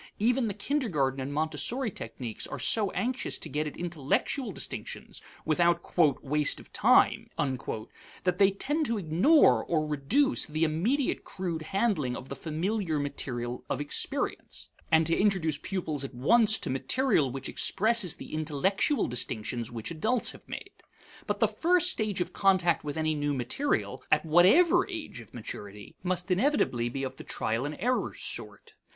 Even the kindergarten and Montessori techniques are so anxious to get at intellectual distinctions, without "waste of time," that they tend to ignore or reduce the immediate crude handling of the familiar material of experience, and to introduce pupils at once to material which expresses the intellectual distinctions which adults have made. But the first stage of contact with any new material, at whatever age of maturity, must inevitably be of the trial and error sort.